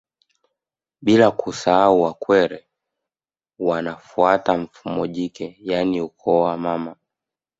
Bila kusahau Wakwere wanafuata mfumo jike yaani ukoo wa mama